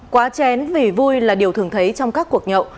quá chén vì vui là điều thường thấy trong các cuộc nhậu